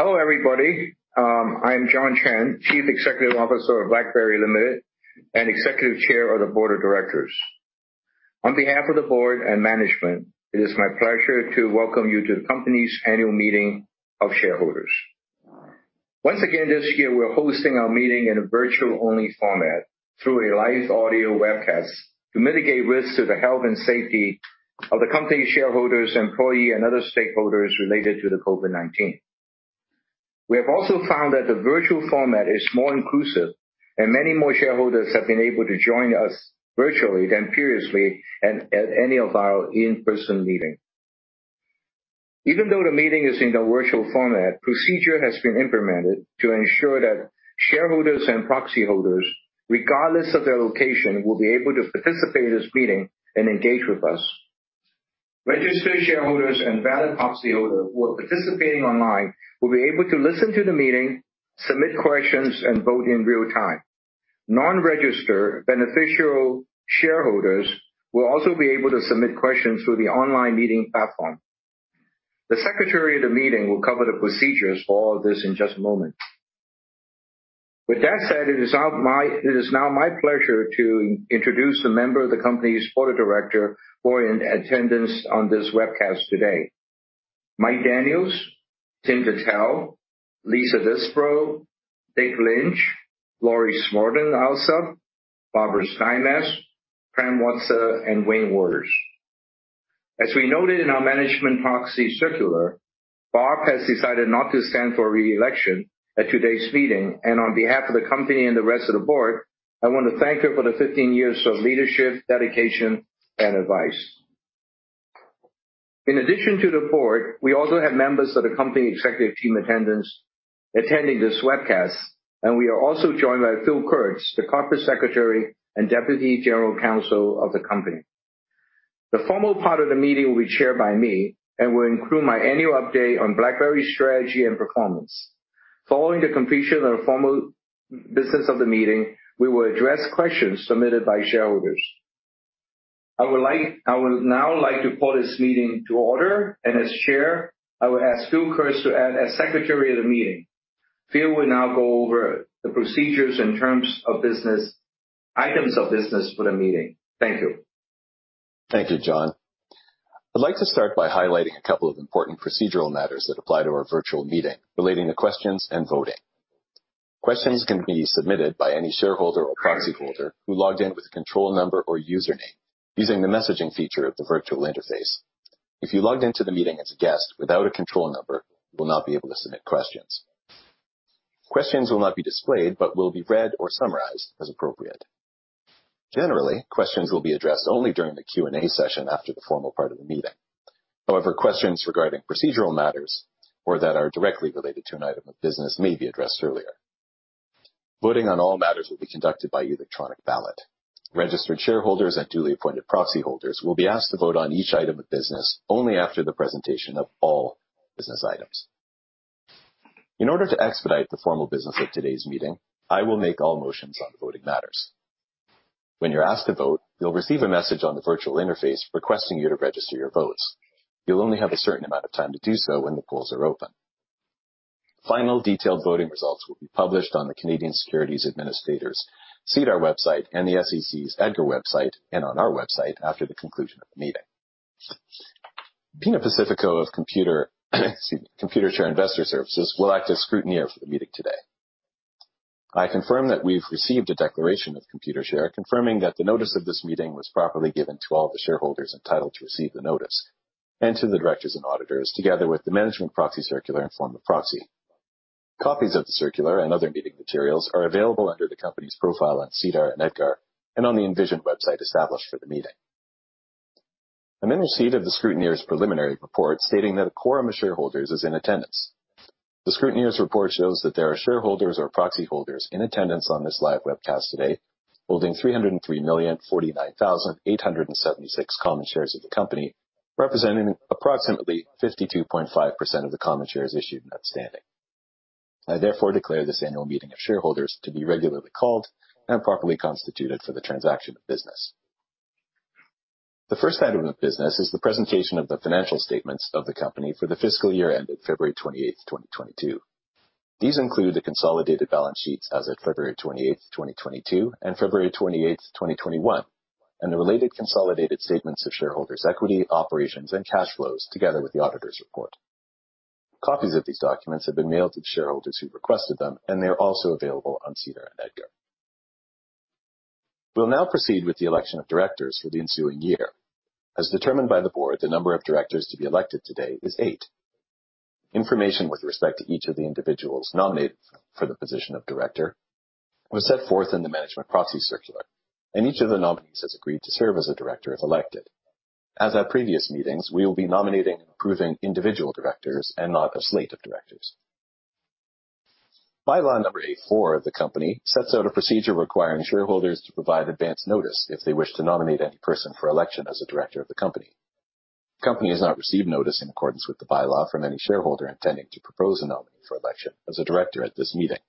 Hello, everybody. I'm John Chen, Chief Executive Officer of BlackBerry Limited and Executive Chair of the Board of Directors. On behalf of the board and management, it is my pleasure to welcome you to the company's annual meeting of shareholders. Once again, this year, we're hosting our meeting in a virtual-only format through a live audio webcast to mitigate risks to the health and safety of the company's shareholders, employee, and other stakeholders related to the COVID-19. We have also found that the virtual format is more inclusive, and many more shareholders have been able to join us virtually than previously at any of our in-person meeting. Even though the meeting is in the virtual format, procedure has been implemented to ensure that shareholders and proxy holders, regardless of their location, will be able to participate in this meeting and engage with us. Registered shareholders and valid proxy holder who are participating online will be able to listen to the meeting, submit questions, and vote in real time. Non-registered beneficial shareholders will also be able to submit questions through the online meeting platform. The secretary of the meeting will cover the procedures for all of this in just a moment. With that said, it is now my pleasure to introduce a member of the company's board of director who are in attendance on this webcast today. Mike Daniels, Tim Dattels, Lisa Disbrow, Richard Lynch, Laurie Smaldone Alsup, Barbara Stymiest, Prem Watsa, and Wayne Wouters. As we noted in our management proxy circular, Barb has decided not to stand for re-election at today's meeting. On behalf of the company and the rest of the board, I want to thank her for the 15 years of leadership, dedication, and advice. In addition to the board, we also have members of the company executive team attending this webcast, and we are also joined by Phil Kurtz, the Corporate Secretary and Deputy General Counsel of the company. The formal part of the meeting will be chaired by me and will include my annual update on BlackBerry's strategy and performance. Following the completion of the formal business of the meeting, we will address questions submitted by shareholders. I would now like to call this meeting to order. As chair, I will ask Phil Kurtz to act as Secretary of the meeting. Phil will now go over the procedures and items of business for the meeting. Thank you. Thank you, John. I'd like to start by highlighting a couple of important procedural matters that apply to our virtual meeting relating to questions and voting. Questions can be submitted by any shareholder or proxy holder who logged in with a control number or username using the messaging feature of the virtual interface. If you logged into the meeting as a guest without a control number, you will not be able to submit questions. Questions will not be displayed but will be read or summarized as appropriate. Generally, questions will be addressed only during the Q&A session after the formal part of the meeting. However, questions regarding procedural matters or that are directly related to an item of business may be addressed earlier. Voting on all matters will be conducted by electronic ballot. Registered shareholders and duly appointed proxy holders will be asked to vote on each item of business only after the presentation of all business items. In order to expedite the formal business of today's meeting, I will make all motions on voting matters. When you're asked to vote, you'll receive a message on the virtual interface requesting you to register your votes. You'll only have a certain amount of time to do so when the polls are open. Final detailed voting results will be published on the Canadian Securities Administrators SEDAR website and the SEC's EDGAR website and on our website after the conclusion of the meeting. Pina Pacifico of Computershare Investor Services will act as scrutineer for the meeting today. I confirm that we've received a declaration of Computershare, confirming that the notice of this meeting was properly given to all the shareholders entitled to receive the notice and to the directors and auditors, together with the management proxy circular and form of proxy. Copies of the circular and other meeting materials are available under the company's profile on SEDAR and EDGAR and on the Envision website established for the meeting. I'm in receipt of the scrutineer's preliminary report stating that a quorum of shareholders is in attendance. The scrutineer's report shows that there are shareholders or proxy holders in attendance on this live webcast today, holding 303,049,876 common shares of the company, representing approximately 52.5% of the common shares issued and outstanding. I therefore declare this annual meeting of shareholders to be regularly called and properly constituted for the transaction of business. The first item of business is the presentation of the financial statements of the company for the fiscal year ended February 28th, 2022. These include the consolidated balance sheets as of February 28th, 2022 and February 28th, 2021, and the related consolidated statements of shareholders' equity, operations, and cash flows, together with the auditors' report. Copies of these documents have been mailed to the shareholders who requested them, and they are also available on SEDAR and EDGAR. We'll now proceed with the election of directors for the ensuing year. As determined by the board, the number of directors to be elected today is eight. Information with respect to each of the individuals nominated for the position of director was set forth in the Management Proxy Circular, and each of the nominees has agreed to serve as a director, if elected. As at previous meetings, we will be nominating and approving individual directors and not a slate of directors. Bylaw number 84 of the company sets out a procedure requiring shareholders to provide advance notice if they wish to nominate any person for election as a director of the company. The company has not received notice in accordance with the bylaw from any shareholder intending to propose a nominee for election as a director at this meeting.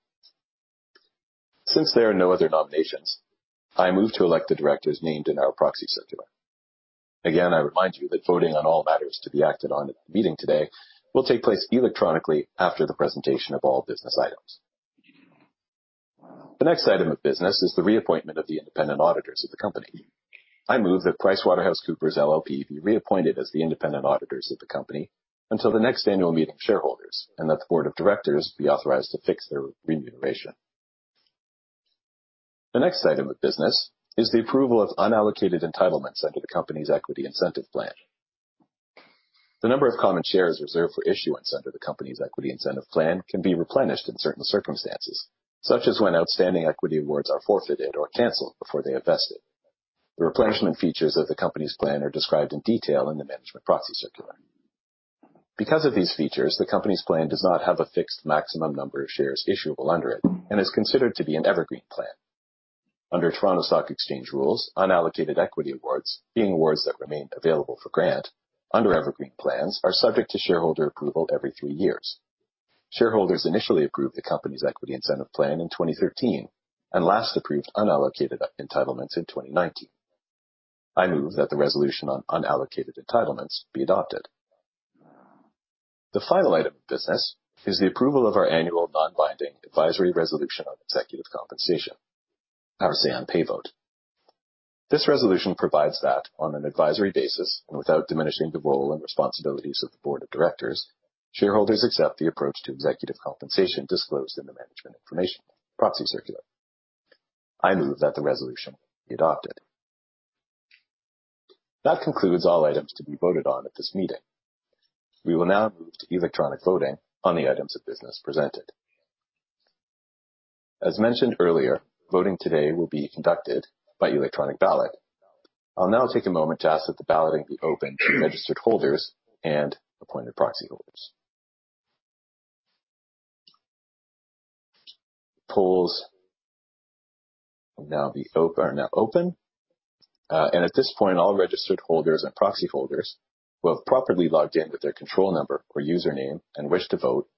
Since there are no other nominations, I move to elect the directors named in our proxy circular. Again, I remind you that voting on all matters to be acted on at the meeting today will take place electronically after the presentation of all business items. The next item of business is the reappointment of the independent auditors of the company. I move that PricewaterhouseCoopers LLP be reappointed as the independent auditors of the company until the next annual meeting of shareholders, and that the board of directors be authorized to fix their remuneration. The next item of business is the approval of unallocated entitlements under the company's equity incentive plan. The number of common shares reserved for issuance under the company's equity incentive plan can be replenished in certain circumstances, such as when outstanding equity awards are forfeited or canceled before they are vested. The replenishment features of the company's plan are described in detail in the management proxy circular. Because of these features, the company's plan does not have a fixed maximum number of shares issuable under it and is considered to be an evergreen plan. Under Toronto Stock Exchange rules, unallocated equity awards, being awards that remain available for grant under evergreen plans, are subject to shareholder approval every three years. Shareholders initially approved the company's equity incentive plan in 2013 and last approved unallocated entitlements in 2019. I move that the resolution on unallocated entitlements be adopted. The final item of business is the approval of our annual non-binding advisory resolution on executive compensation. Our say on pay vote. This resolution provides that on an advisory basis and without diminishing the role and responsibilities of the board of directors, shareholders accept the approach to executive compensation disclosed in the management information proxy circular. I move that the resolution be adopted. That concludes all items to be voted on at this meeting. We will now move to electronic voting on the items of business presented. As mentioned earlier, voting today will be conducted by electronic ballot. I'll now take a moment to ask that the balloting be open to registered holders and appointed proxy holders. Polls are now open. At this point, all registered holders and proxy holders who have properly logged in with their control number or username and wish to vote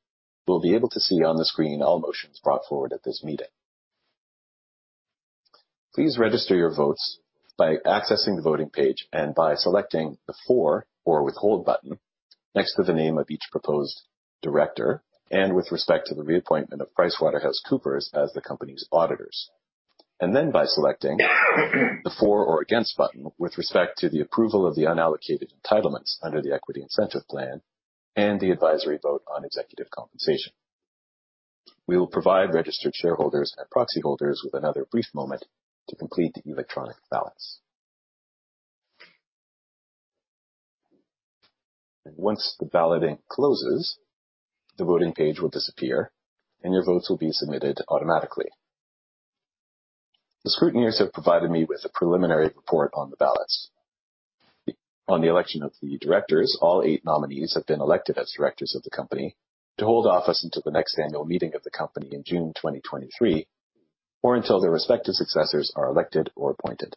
will be able to see on the screen all motions brought forward at this meeting. Please register your votes by accessing the voting page and by selecting the for or withhold button next to the name of each proposed director and with respect to the reappointment of PricewaterhouseCoopers as the company's auditors. Then by selecting the for or against button with respect to the approval of the unallocated entitlements under the equity incentive plan and the advisory vote on executive compensation. We will provide registered shareholders and proxy holders with another brief moment to complete the electronic ballots. Once the balloting closes, the voting page will disappear, and your votes will be submitted automatically. The scrutineers have provided me with a preliminary report on the ballots. On the election of the directors, all eight nominees have been elected as directors of the company to hold office until the next annual meeting of the company in June 2023, or until their respective successors are elected or appointed.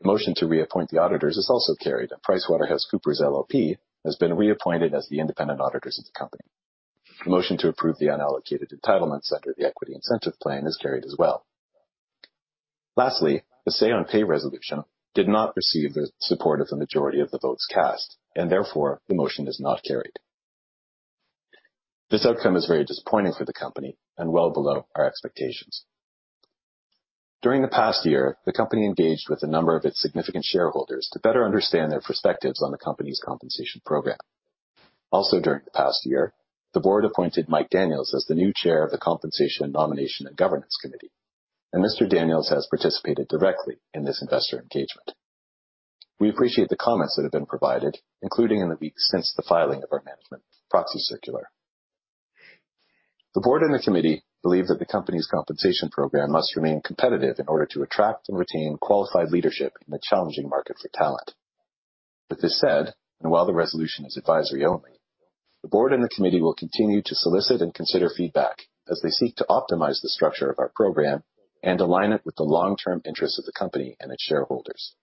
The motion to reappoint the auditors is also carried. PricewaterhouseCoopers LLP has been reappointed as the independent auditors of the company. The motion to approve the unallocated entitlements under the equity incentive plan is carried as well. Lastly, the say-on-pay resolution did not receive the support of the majority of the votes cast, and therefore the motion is not carried. This outcome is very disappointing for the company and well below our expectations. During the past year, the company engaged with a number of its significant shareholders to better understand their perspectives on the company's compensation program. Also during the past year, the board appointed Mike Daniels as the new chair of the Compensation, Nomination and Governance Committee, and Mr. Daniels has participated directly in this investor engagement. We appreciate the comments that have been provided, including in the weeks since the filing of our management proxy circular. The board and the committee believe that the company's compensation program must remain competitive in order to attract and retain qualified leadership in the challenging market for talent. With this said, and while the resolution is advisory only, the board and the committee will continue to solicit and consider feedback as they seek to optimize the structure of our program and align it with the long-term interests of the company and its shareholders.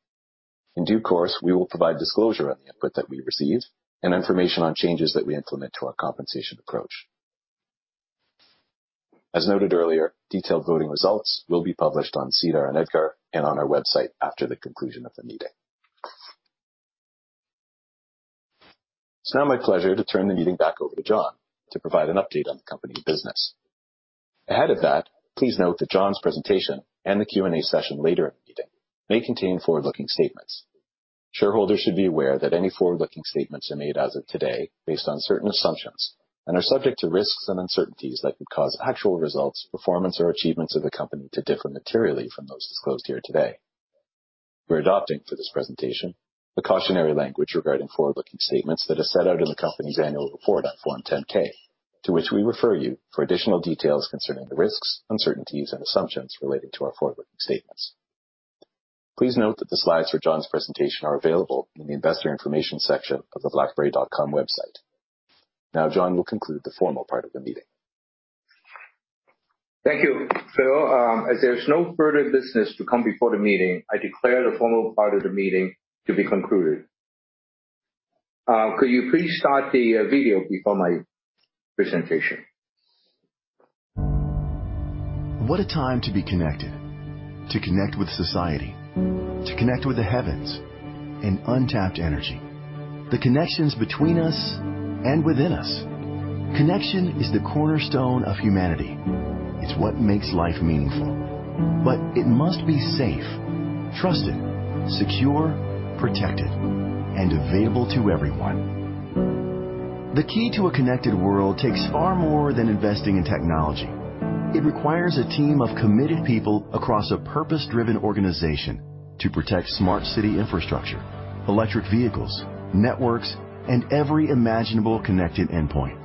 In due course, we will provide disclosure on the input that we receive and information on changes that we implement to our compensation approach. As noted earlier, detailed voting results will be published on SEDAR and EDGAR and on our website after the conclusion of the meeting. It's now my pleasure to turn the meeting back over to John to provide an update on the company business. Ahead of that, please note that John's presentation and the Q&A session later in the meeting may contain forward-looking statements. Shareholders should be aware that any forward-looking statements are made as of today based on certain assumptions and are subject to risks and uncertainties that could cause actual results, performance or achievements of the company to differ materially from those disclosed here today. We're adopting for this presentation the cautionary language regarding forward-looking statements that are set out in the company's annual report on Form 10-K, to which we refer you for additional details concerning the risks, uncertainties and assumptions relating to our forward-looking statements. Please note that the slides for John's presentation are available in the Investor Information section of the blackberry.com website. Now John will conclude the formal part of the meeting. Thank you, Phil. As there's no further business to come before the meeting, I declare the formal part of the meeting to be concluded. Could you please start the video before my presentation? What a time to be connected. To connect with society, to connect with the heavens and untapped energy. The connections between us and within us. Connection is the cornerstone of humanity. It's what makes life meaningful. It must be safe, trusted, secure, protected, and available to everyone. The key to a connected world takes far more than investing in technology. It requires a team of committed people across a purpose-driven organization to protect smart city infrastructure, electric vehicles, networks, and every imaginable connected endpoint.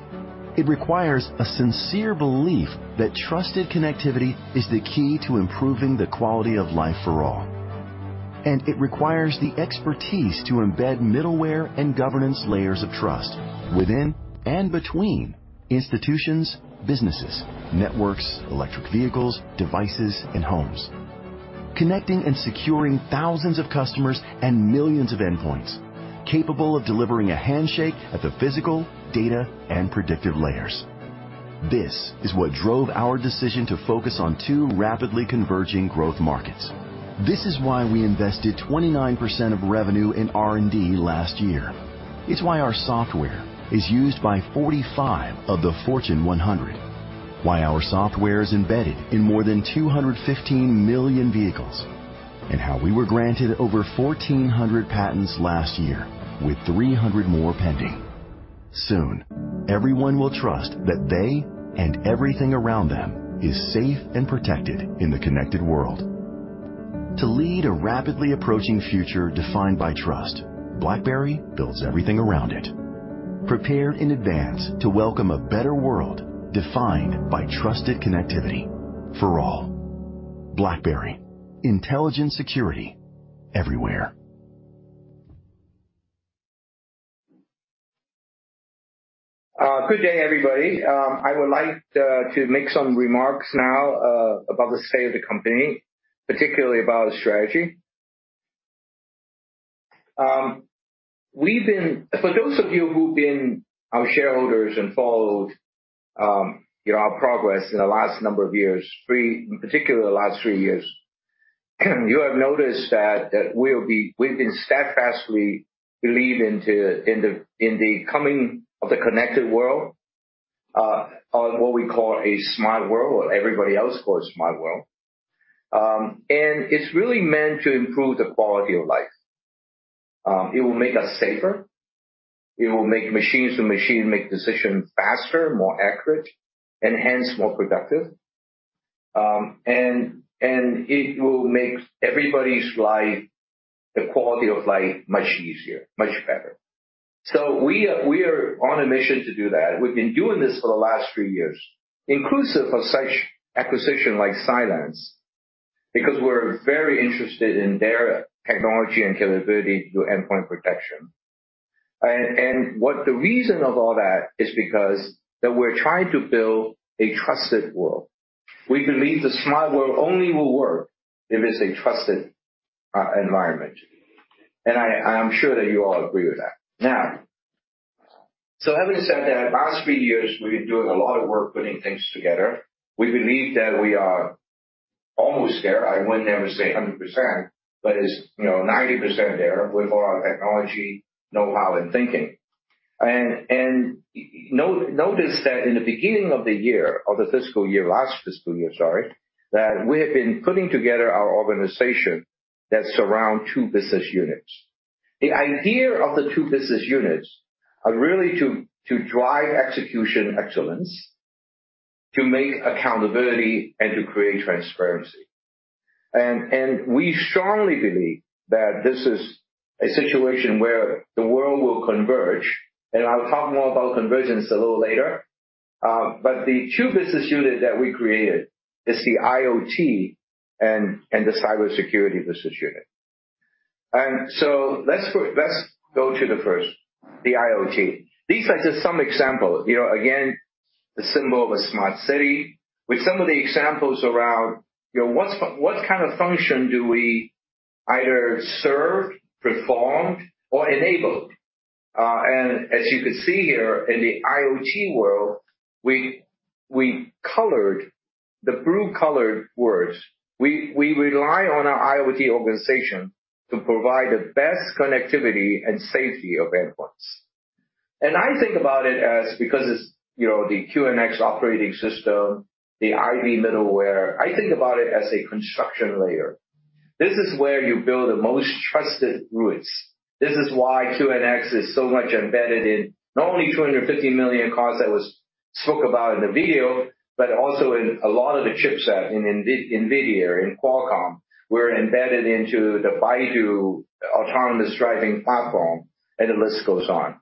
It requires a sincere belief that trusted connectivity is the key to improving the quality of life for all. It requires the expertise to embed middleware and governance layers of trust within and between institutions, businesses, networks, electric vehicles, devices and homes. Connecting and securing thousands of customers and millions of endpoints, capable of delivering a handshake at the physical, data and predictive layers. This is what drove our decision to focus on two rapidly converging growth markets. This is why we invested 29% of revenue in R&D last year. It's why our software is used by 45 of the Fortune 100. Why our software is embedded in more than 215 million vehicles, and how we were granted over 1,400 patents last year with 300 more pending. Soon, everyone will trust that they and everything around them is safe and protected in the connected world. To lead a rapidly approaching future defined by trust, BlackBerry builds everything around it. Prepared in advance to welcome a better world defined by trusted connectivity for all. BlackBerry, intelligent security everywhere. Good day, everybody. I would like to make some remarks now about the state of the company, particularly about our strategy. For those of you who've been our shareholders and followed, you know, our progress in the last number of years, three, in particular, the last three years, you have noticed that we've been steadfastly believing in the coming of the connected world, or what we call a smart world, what everybody else calls smart world. It's really meant to improve the quality of life. It will make us safer. It will make machine-to-machine decisions faster, more accurate, and hence more productive. It will make everybody's life, the quality of life much easier, much better. We are on a mission to do that. We've been doing this for the last three years, inclusive of such acquisition like Cylance, because we're very interested in their technology and capability to do endpoint protection. What the reason of all that is because that we're trying to build a trusted world. We believe the smart world only will work if it's a trusted environment. I'm sure that you all agree with that. Now having said that, last three years, we've been doing a lot of work putting things together. We believe that we are almost there. I would never say 100%, but it's you know 90% there with all our technology, know-how and thinking. Notice that in the beginning of the year, of the fiscal year, last fiscal year, sorry, that we have been putting together our organization that surround two business units. The idea of the two business units are really to drive execution excellence, to make accountability, and to create transparency. We strongly believe that this is a situation where the world will converge, and I'll talk more about convergence a little later. The two business unit that we created is the IoT and the cybersecurity business unit. Let's go to the first, the IoT. These are just some examples. You know, again, the symbol of a smart city with some of the examples around, you know, what kind of function do we either serve, perform or enable? As you can see here in the IoT world, we colored the blue colored words. We rely on our IoT organization to provide the best connectivity and safety of endpoints. I think about it as, because it's, you know, the QNX operating system, the IVY middleware, I think about it as a construction layer. This is where you build the most trusted roots. This is why QNX is so much embedded in not only 250 million cars that was spoke about in the video, but also in a lot of the chipset in NVIDIA, in Qualcomm. We're embedded into the Baidu autonomous driving platform, and the list goes on.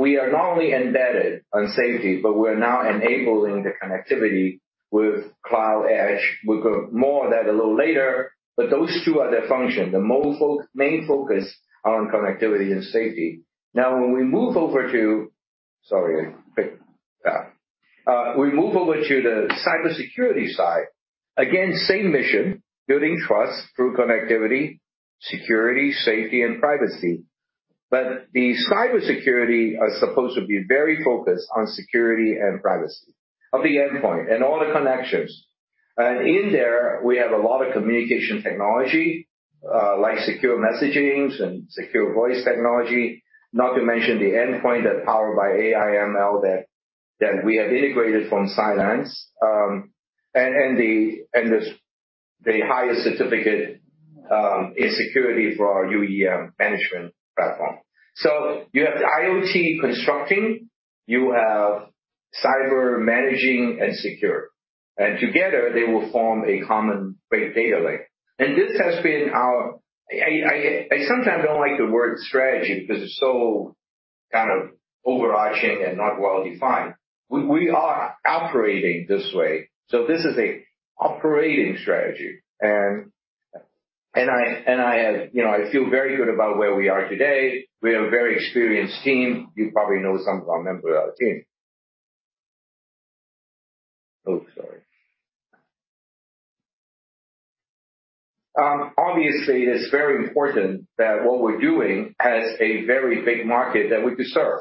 We are not only embedded on safety, but we're now enabling the connectivity with cloud edge. We'll go more of that a little later. But those two are the function, the main focus are on connectivity and safety. Now, when we move over to. Sorry, quick, we move over to the cybersecurity side. Again, same mission, building trust through connectivity, security, safety, and privacy. The cybersecurity is supposed to be very focused on security and privacy of the endpoint and all the connections. In there we have a lot of communication technology, like secure messaging and secure voice technology. Not to mention the endpoint that's powered by AI ML that we have integrated from Cylance, and the highest certificate in security for our UEM management platform. You have IoT connecting, you have cyber managing and secure, and together they will form a common big data lake. This has been our. I sometimes don't like the word strategy because it's so kind of overarching and not well-defined. We are operating this way, so this is an operating strategy and I have, you know, I feel very good about where we are today. We have a very experienced team. You probably know some of our members of our team. Oh, sorry. Obviously, it's very important that what we're doing has a very big market that we could serve.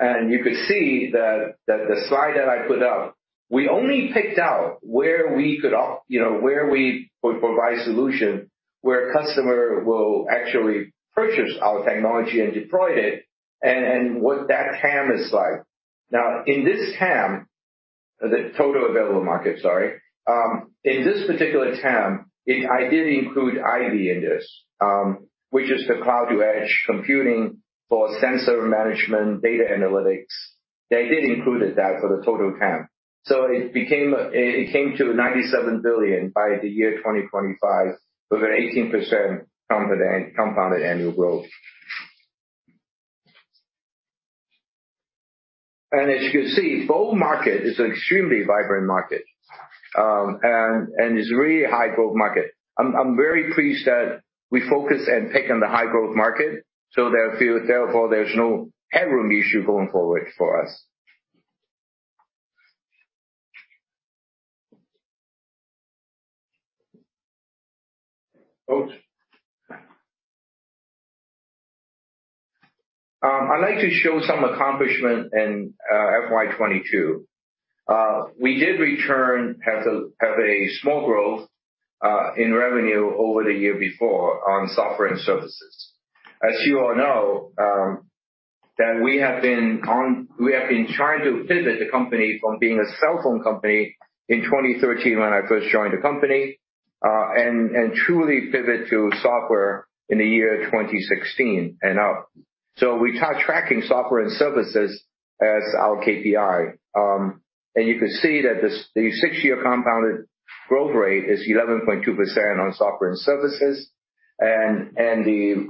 You could see that the slide that I put up, we only picked out where we could provide solution, where customer will actually purchase our technology and deploy it and what that TAM is like. Now, in this TAM, the total available market, sorry. In this particular TAM, I did include IVY in this, which is the cloud to edge computing for sensor management, data analytics. They did include that for the total TAM. It came to $97 billion by the year 2025 with an 18% compounded annual growth. As you can see, both markets are extremely vibrant markets, and are really high growth markets. I'm very pleased that we focus and pick on the high growth market, therefore, there's no headroom issue going forward for us. I'd like to show some accomplishment in FY 2022. We did have a small growth in revenue over the year before on software and services. As you all know, that we have been trying to pivot the company from being a cell phone company in 2013 when I first joined the company, and truly pivot to software in the year 2016 and up. We start tracking software and services as our KPI. You can see that this, the six-year compounded growth rate is 11.2% on software and services. The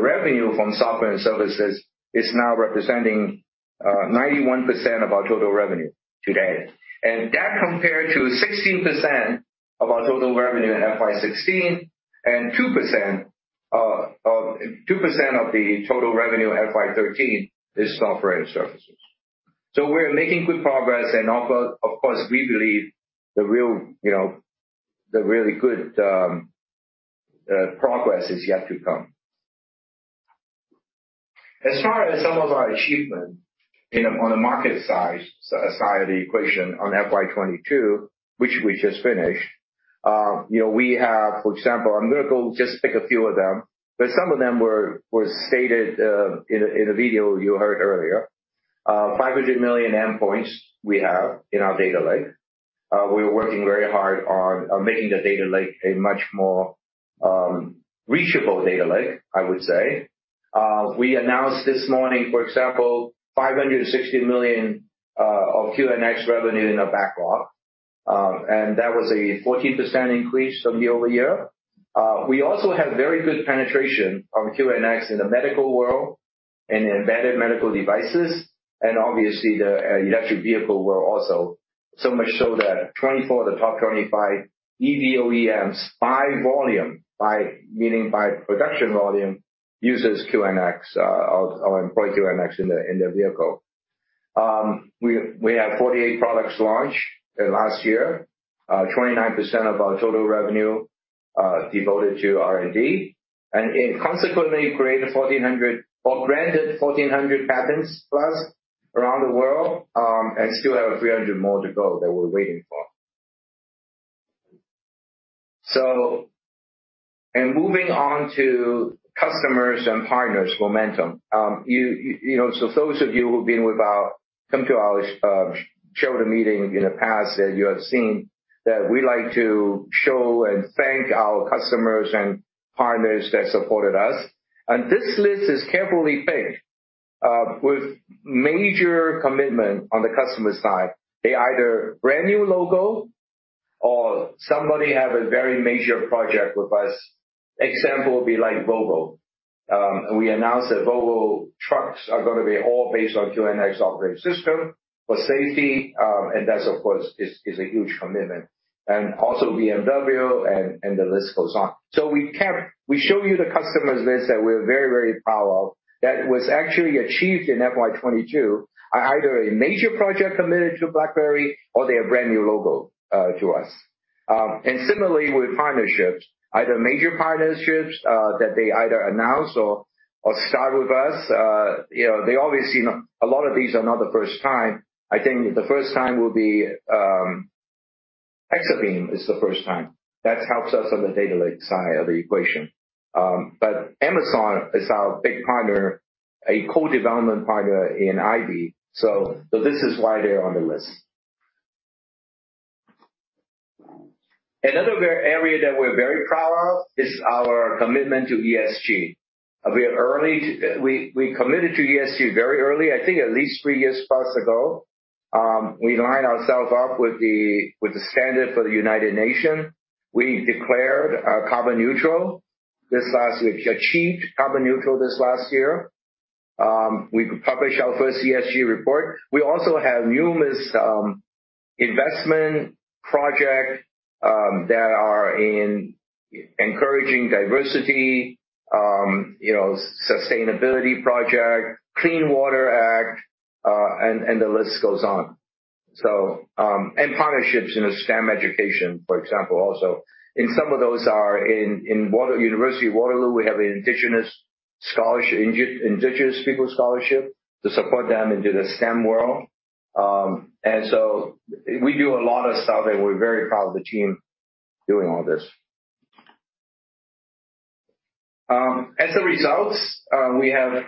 revenue from software and services is now representing 91% of our total revenue today. That compared to 16% of our total revenue in FY 2016 and 2% of the total revenue FY 2013 is software and services. We're making good progress. Of course, we believe the real, you know, the really good progress is yet to come. As far as some of our achievement on the market size side of the equation on FY 2022, which we just finished, you know, we have, for example, I'm gonna go just pick a few of them, but some of them were stated in a video you heard earlier. 500 million endpoints we have in our data lake. We're working very hard on making the data lake a much more reachable data lake, I would say. We announced this morning, for example, $560 million of QNX revenue in our backlog. That was a 14% increase year-over-year. We also have very good penetration of QNX in the medical world and in embedded medical devices and obviously the electric vehicle world also. Much so that 24 of the top 25 EV OEMs by volume, meaning by production volume, uses QNX or employ QNX in the vehicle. We have 48 products launched in last year. 29% of our total revenue devoted to R&D, and it consequently created 1400 or granted 1400 patents plus around the world, and still have 300 more to go that we're waiting for. Moving on to customers and partners momentum. You know, those of you who've come to our shareholder meeting in the past, that you have seen that we like to show and thank our customers and partners that supported us. This list is carefully picked with major commitment on the customer side. They either brand new logo or somebody have a very major project with us. Example would be like Volvo. We announced that Volvo trucks are gonna be all based on QNX operating system for safety. That of course is a huge commitment. Also BMW and the list goes on. We show you the customers list that we're very, very proud of. That was actually achieved in FY 2022, are either a major project committed to BlackBerry or they are brand new logo to us. Similarly with partnerships, either major partnerships that they either announce or start with us. You know, they obviously a lot of these are not the first time. I think the first time will be Exabeam is the first time. That helps us on the data lake side of the equation. Amazon is our big partner, a co-development partner in IVY. So this is why they're on the list. Another area that we're very proud of is our commitment to ESG. We committed to ESG very early, I think at least three years plus ago. We lined ourselves up with the standard for the United Nations. We declared carbon neutral this last year. Achieved carbon neutral this last year. We published our first ESG report. We also have numerous investment projects that are encouraging diversity, you know, sustainability projects, Clean Water Act, and the list goes on. Partnerships in STEM education, for example, also. Some of those are in University of Waterloo. We have an indigenous people scholarship to support them into the STEM world. We do a lot of stuff, and we're very proud of the team doing all this. As a result, we have,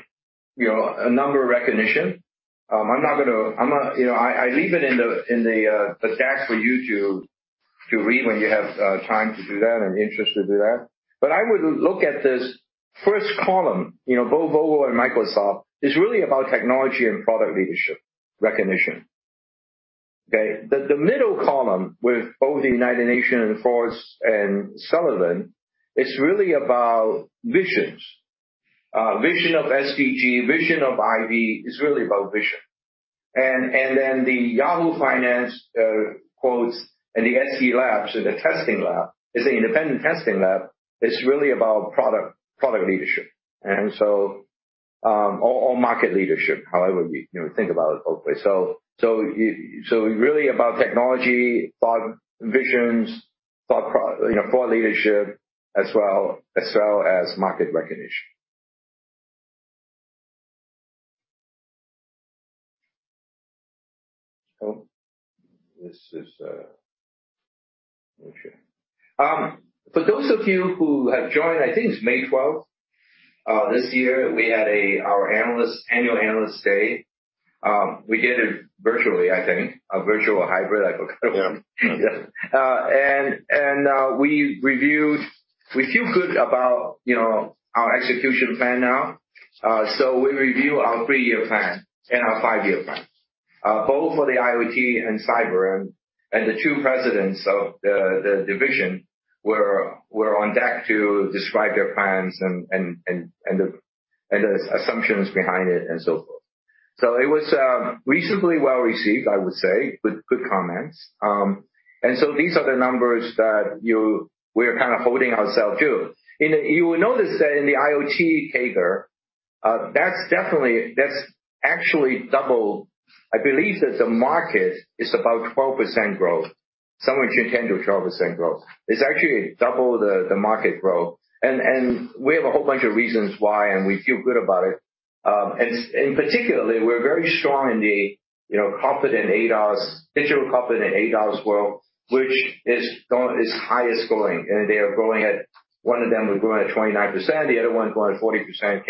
you know, a number of recognitions. I'm not gonna, you know. I leave it in the deck for you to read when you have time to do that and interest to do that. I would look at this first column, you know, both Volvo and Microsoft, is really about technology and product leadership recognition. Okay. The middle column with both the United Nations and Forbes and Frost & Sullivan is really about visions. Vision of SDG, vision of IVY is really about vision. Then the Yahoo Finance quotes and the SE Labs in the testing lab is an independent testing lab, it's really about product leadership. Or market leadership, however you know think about it both ways. Really about technology, thought visions, thought leadership, you know, as well as market recognition. This is. Okay. For those of you who have joined, I think it's May 12th this year, we had our annual analyst day. We did it virtually, I think. A virtual or hybrid, I forgot. We feel good about, you know, our execution plan now. We review our three-year plan and our five-year plans, both for the IoT and cyber. The two presidents of the division were on deck to describe their plans and the assumptions behind it and so forth. It was reasonably well received, I would say, with good comments. These are the numbers that we're kind of holding ourselves to. You will notice that in the IoT CAGR, that's definitely, that's actually double. I believe that the market is about 12% growth. Somewhere between 10%-12% growth. It's actually double the market growth. We have a whole bunch of reasons why, and we feel good about it. We're very strong in the, you know, connected ADAS, digital connected ADAS world, which is highest growing. They are growing at, one of them is growing at 29%, the other one is growing at 40%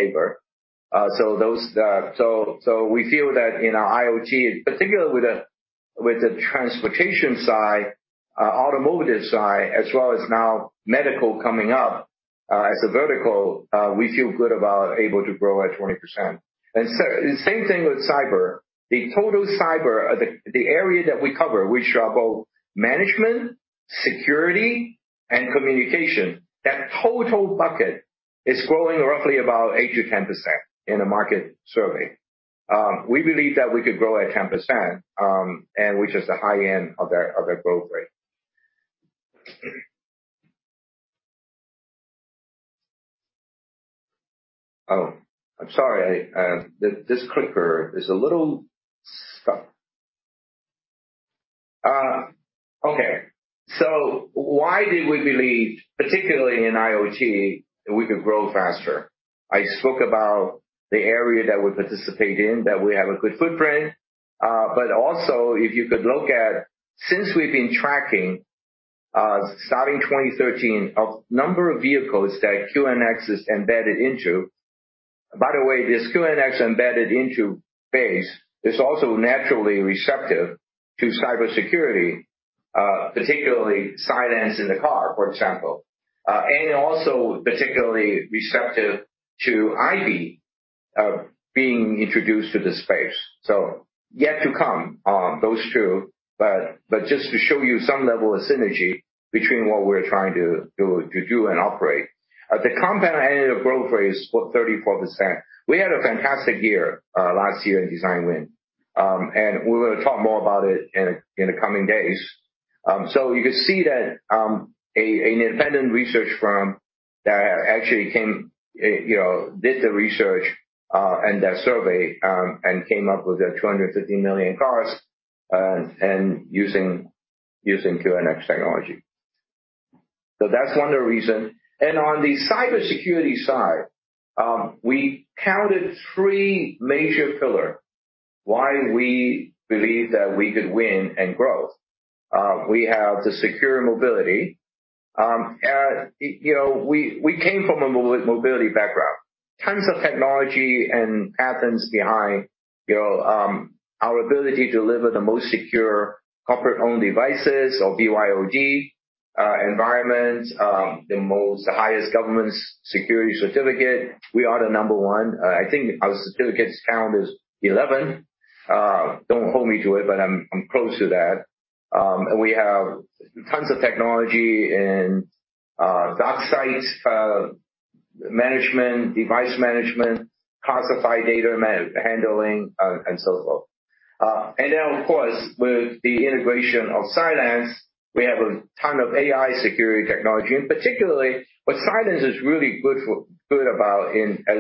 CAGR. We feel that in our IoT, particularly with the transportation side, automotive side, as well as now medical coming up, as a vertical, we feel good about able to grow at 20%. Same thing with cyber. The total cyber, the area that we cover, which are both management, security and communication, that total bucket is growing roughly about 8%-10% in a market survey. We believe that we could grow at 10%, which is the high end of their growth rate. I'm sorry, this clicker is a little stuck. Okay. Why did we believe, particularly in IoT, that we could grow faster? I spoke about the area that we participate in, that we have a good footprint. Also, if you could look at since we've been tracking, starting 2013 of number of vehicles that QNX is embedded into. By the way, this QNX embedded into base is also naturally receptive to cybersecurity, particularly systems in the car, for example. Also particularly receptive to IVY being introduced to this space. Yet to come, those two. Just to show you some level of synergy between what we're trying to do and operate. The compound annual growth rate is what, 34%. We had a fantastic year last year in design win. We're gonna talk more about it in the coming days. You can see that an independent research firm that actually came, you know, did the research and that survey and came up with 250 million cars and using QNX technology. That's one of the reason. On the cybersecurity side, we counted three major pillar why we believe that we could win and grow. We have the secure mobility. You know, we came from a mobility background. Tons of technology and patterns behind, you know, our ability to deliver the most secure corporate-owned devices or BYOD environments, the highest government security certificate. We are the number one. I think our certificates count is 11. Don't hold me to it, but I'm close to that. We have tons of technology and dark sites management, device management, classified data manhandling, and so forth. Then of course, with the integration of Cylance, we have a ton of AI security technology. Particularly what Cylance is really good for, a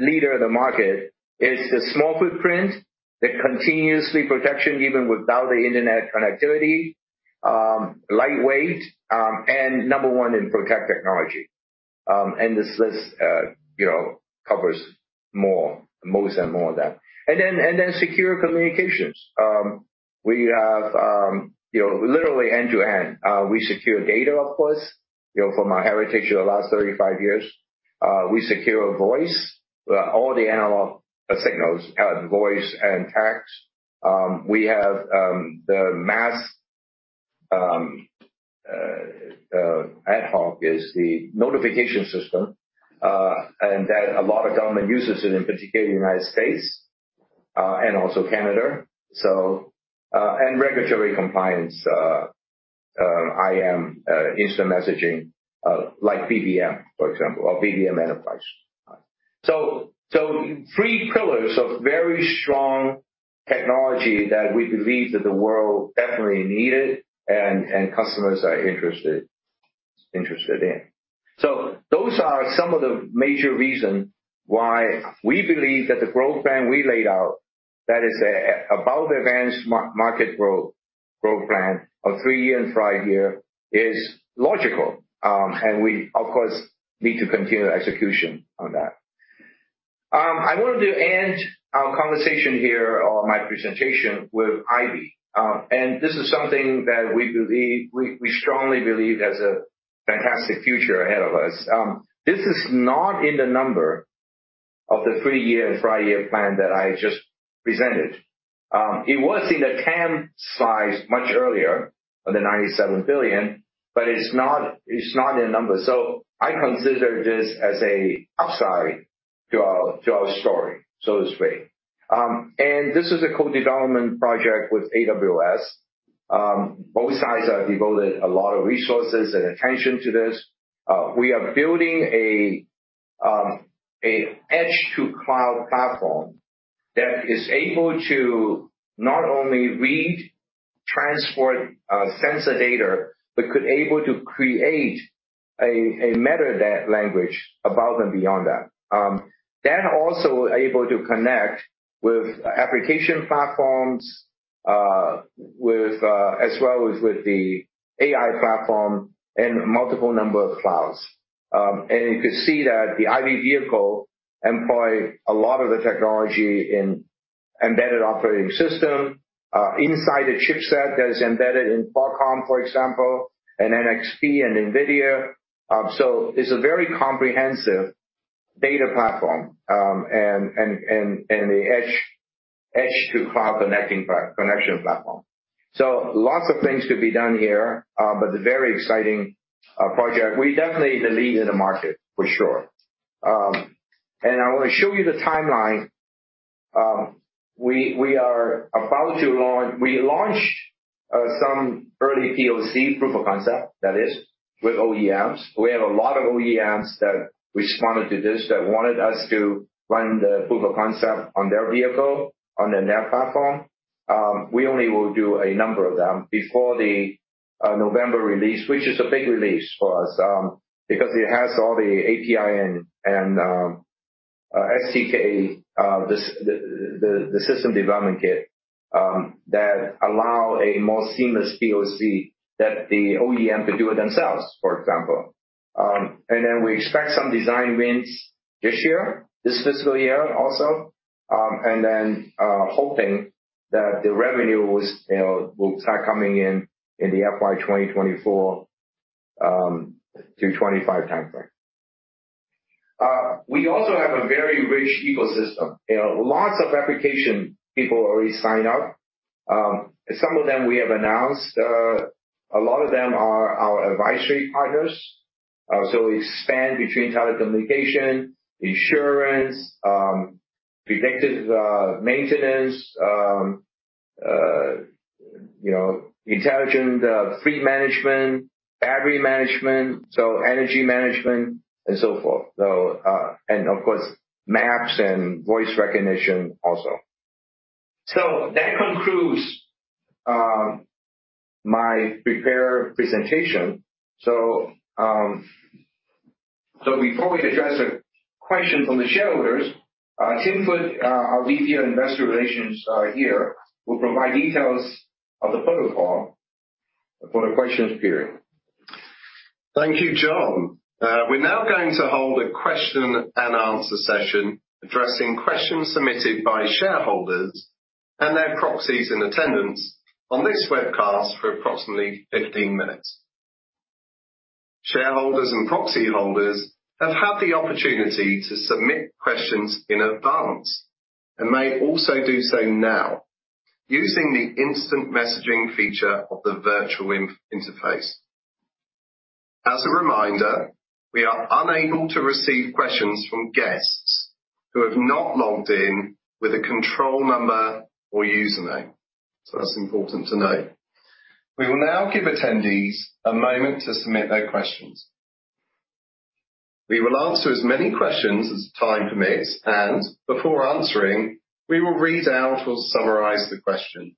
leader in the market is the small footprint that continuous protection even without the internet connectivity, lightweight, and number one in protection technology. This list, you know, covers most and more of that. Secure communications. We have, you know, literally end-to-end. We secure data, of course, you know, from our heritage of the last 35 years. We secure voice, all the analog signals, voice and fax. We have AtHoc, the notification system, and a lot of governments use it, in particular United States, and also Canada. Regulatory compliance, IM, instant messaging, like BBM, for example, or BBM Enterprise. Three pillars of very strong technology that we believe that the world definitely needed and customers are interested in. Those are some of the major reasons why we believe that the growth plan we laid out, that is above-average market growth plan of three-year and five-year is logical. We of course need to continue execution on that. I wanted to end our conversation here or my presentation with IVY. This is something that we strongly believe has a fantastic future ahead of us. This is not in the numbers of the three-year and five-year plan that I just presented. It was in the TAM size much earlier of the $97 billion, but it's not in numbers. I consider this an upside to our story, so to speak. This is a co-development project with AWS. Both sides have devoted a lot of resources and attention to this. We are building an edge-to-cloud platform that is able to not only read and transport sensor data, but also able to create a metadata language above and beyond that. That is also able to connect with application platforms as well as with the AI platform and multiple clouds. You can see that the IVY vehicle employ a lot of the technology in embedded operating system inside the chipset that is embedded in Qualcomm, for example, and NXP and NVIDIA. It's a very comprehensive data platform, and a edge-to-cloud connection platform. Lots of things to be done here, but a very exciting project. We definitely the lead in the market for sure. I wanna show you the timeline. We launched some early POC, proof of concept with OEMs. We have a lot of OEMs that responded to this, that wanted us to run the proof of concept on their vehicle, on the next platform. We only will do a number of them before the November release, which is a big release for us, because it has all the API and SDK, the system development kit, that allow a more seamless POC that the OEM can do it themselves, for example. We expect some design wins this year, this fiscal year also. Hoping that the revenues, you know, will start coming in in the FY 2024 to 2025 timeframe. We also have a very rich ecosystem. You know, lots of application people already sign up. Some of them we have announced. A lot of them are our advisory partners. We expand between telecommunication, insurance, predictive maintenance. You know, intelligent fleet management, battery management, so energy management and so forth. And of course, maps and voice recognition also. That concludes my prepared presentation. Before we address the questions from the shareholders, Tim Foote, our VP of Investor Relations, here will provide details of the protocol for the questions period. Thank you, John. We're now going to hold a question and answer session addressing questions submitted by shareholders and their proxies in attendance on this webcast for approximately 15 minutes. Shareholders and proxy holders have had the opportunity to submit questions in advance and may also do so now using the instant messaging feature of the virtual interface. As a reminder, we are unable to receive questions from guests who have not logged in with a control number or username. That's important to note. We will now give attendees a moment to submit their questions. We will answer as many questions as time permits, and before answering, we will read out or summarize the question.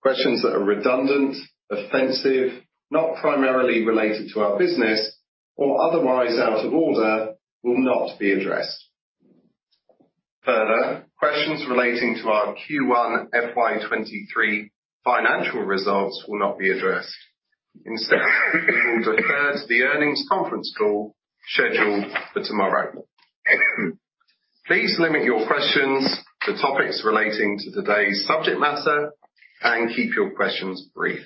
Questions that are redundant, offensive, not primarily related to our business or otherwise out of order will not be addressed. Further, questions relating to our Q1 FY23 financial results will not be addressed. Instead, we will defer to the earnings conference call scheduled for tomorrow. Please limit your questions to topics relating to today's subject matter and keep your questions brief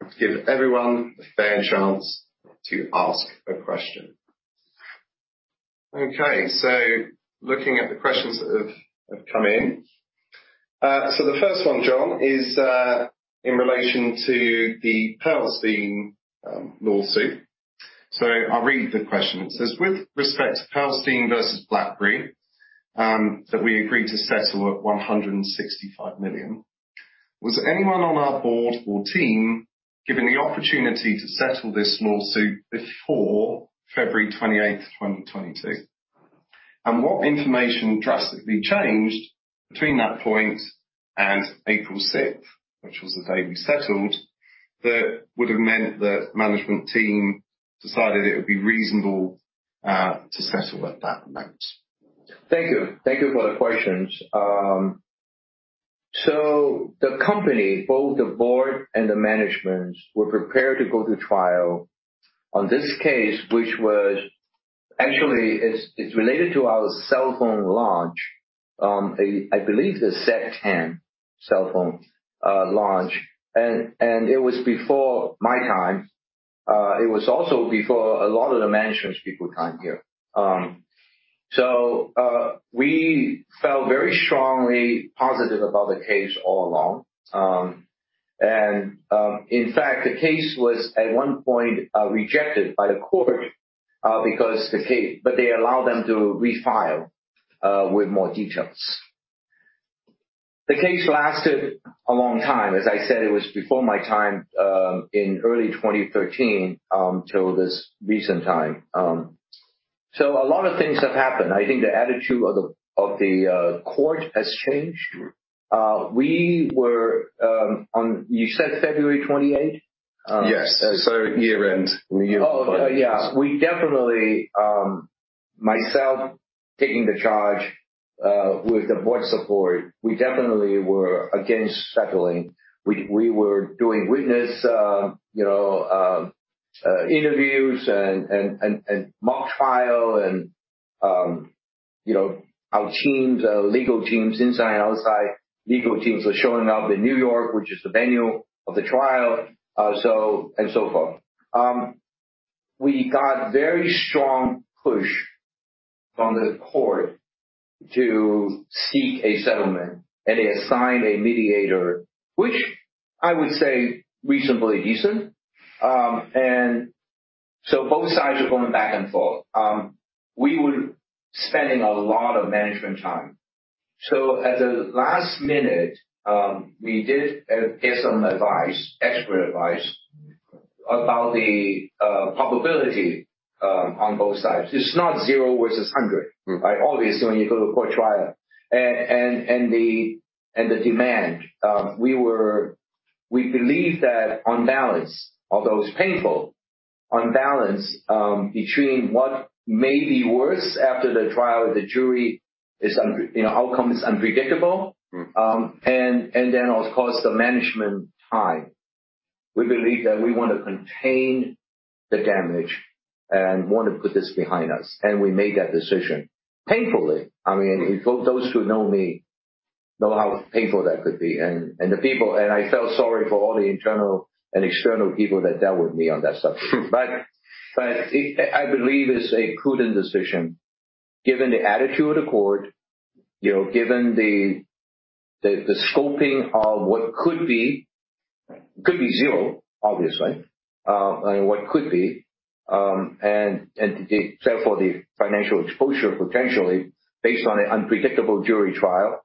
to give everyone a fair chance to ask a question. Okay, looking at the questions that have come in. The first one, John, is in relation to the Pearlstein lawsuit. I'll read the question. It says, "With respect to Pearlstein versus BlackBerry, that we agreed to settle at $165 million, was anyone on our board or team given the opportunity to settle this lawsuit before February 28th, 2022? What information drastically changed between that point and April 6th, which was the day we settled, that would have meant that management team decided it would be reasonable to settle at that amount? Thank you. Thank you for the questions. The company, both the board and the management, were prepared to go to trial on this case, which was actually it's related to our cell phone launch. I believe the Z10 cell phone launch. It was before my time. It was also before a lot of the management people came here. We felt very strongly positive about the case all along. In fact, the case was at one point rejected by the court. They allowed them to refile with more details. The case lasted a long time. As I said, it was before my time in early 2013 till this recent time. A lot of things have happened. I think the attitude of the court has changed. You said February 28th? Yes. Year-end. Oh, yeah. We definitely, myself taking the charge with the board's support, we definitely were against settling. We were doing witness interviews and mock trial and you know our teams, our legal teams inside and outside were showing up in New York, which is the venue of the trial, so and so forth. We got very strong push from the court to seek a settlement, and they assigned a mediator, which I would say reasonably decent. Both sides were going back and forth. We were spending a lot of management time. At the last minute, we did get some advice, expert advice, about the probability on both sides. It's not zero versus 100. Mm-hmm. Like, obviously when you go to a court trial and the demand. We believed that on balance, although it's painful, on balance, between what may be worse after the trial with the jury, you know, outcome is unpredictable. Mm-hmm. Then of course, the management time. We believe that we wanna contain the damage and wanna put this behind us, and we made that decision painfully. I mean, for those who know me know how painful that could be. I felt sorry for all the internal and external people that dealt with me on that subject. It, I believe it's a prudent decision given the attitude of the court, you know, given the scoping of what could be. Right. Could be zero, obviously, and what could be. Therefore, the financial exposure potentially based on an unpredictable jury trial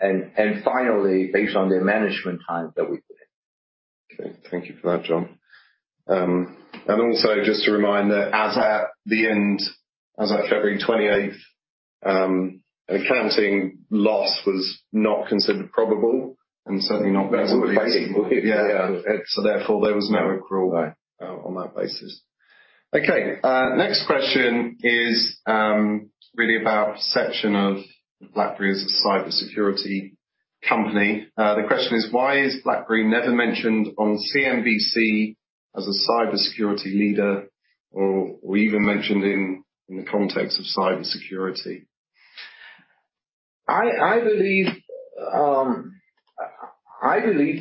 and finally based on the management time that we put in. Okay. Thank you for that, John. Also just a reminder, as at February 28th, an accounting loss was not considered probable and certainly not. That would be. Therefore, there was no accrual. Right. On that basis. Okay. Next question is really about perception of BlackBerry as a cybersecurity company. The question is, why is BlackBerry never mentioned on CNBC as a cybersecurity leader or even mentioned in the context of cybersecurity? I believe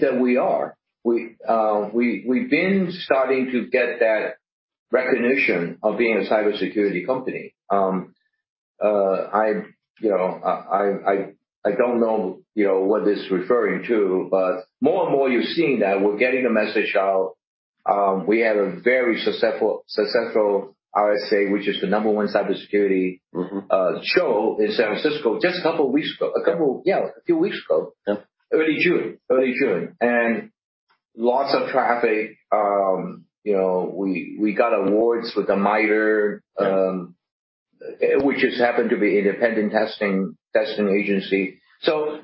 that we are. We've been starting to get that recognition of being a cybersecurity company. You know, I don't know, you know, what it's referring to, but more and more you're seeing that we're getting the message out. We had a very successful RSA, which is the number one cybersecurity- Mm-hmm. Show in San Francisco just a few weeks ago. Yeah. Early June. Lots of traffic. You know, we got awards with the MITRE, which has happened to be independent testing agency.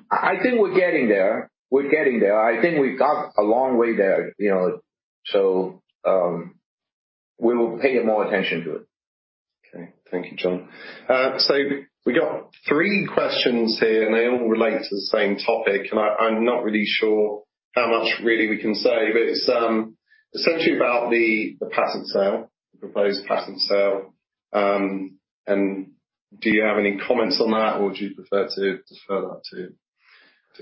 I think we're getting there. I think we've got a long way there, you know, we will pay more attention to it. Okay. Thank you, John. We got three questions here, and they all relate to the same topic. I'm not really sure how much really we can say, but it's essentially about the patent sale, the proposed patent sale. Do you have any comments on that or would you prefer to defer that to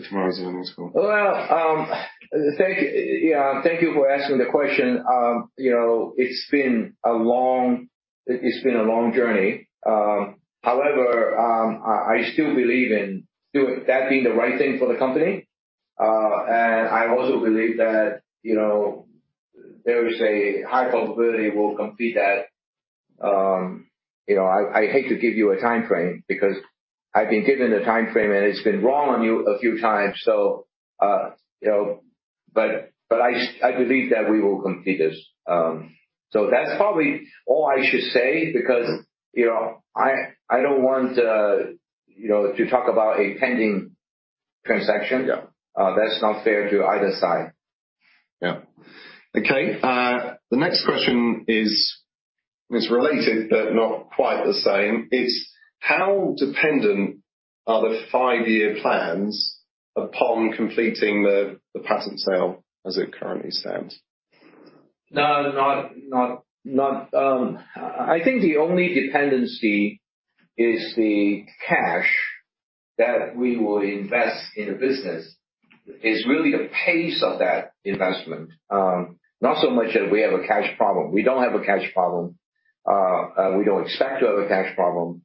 tomorrow's earnings call? Well, thank you. Yeah. Thank you for asking the question. You know, it's been a long journey. However, I still believe in that being the right thing for the company. I also believe that, you know, there is a high probability we'll complete that. You know, I hate to give you a timeframe because I've been given the timeframe and it's been wrong a few times, so, you know. I believe that we will complete this. That's probably all I should say because, you know, I don't want, you know, to talk about a pending transaction. Yeah. That's not fair to either side. Yeah. Okay. The next question is related but not quite the same. It's how dependent are the five-year plans upon completing the patent sale as it currently stands? No. I think the only dependency is the cash that we will invest in the business. It's really the pace of that investment, not so much that we have a cash problem. We don't have a cash problem. We don't expect to have a cash problem.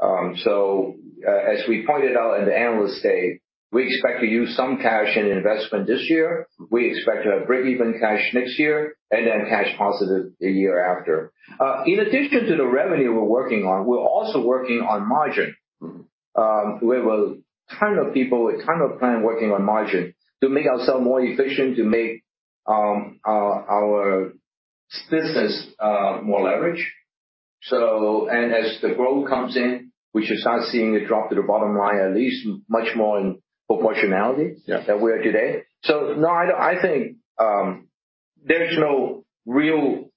As we pointed out in the analyst day, we expect to use some cash in investment this year. We expect to have breakeven cash next year and then cash positive the year after. In addition to the revenue we're working on, we're also working on margin. Mm-hmm. We have a ton of people, a ton of plans working on margins to make ourselves more efficient, to make our business more leveraged. As the growth comes in, we should start seeing a drop to the bottom line, at least much more in proportionality. Yeah. than we are today. No, I don't think there's no real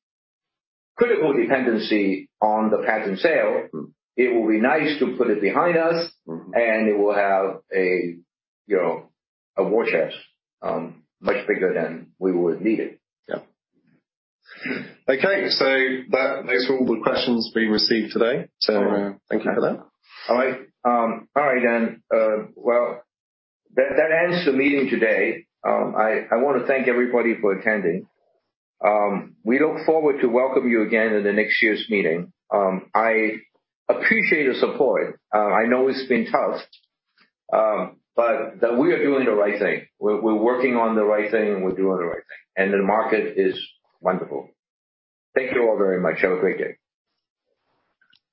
critical dependency on the patent sale. Mm-hmm. It will be nice to put it behind us. Mm-hmm. It will have a, you know, a war chest much bigger than we would need it. Yeah. Okay. That makes for all the questions we received today. All right. Thank you for that. All right. All right then. Well, that ends the meeting today. I wanna thank everybody for attending. We look forward to welcome you again in the next year's meeting. I appreciate the support. I know it's been tough, but that we are doing the right thing. We're working on the right thing, and we're doing the right thing, and the market is wonderful. Thank you all very much. Have a great day.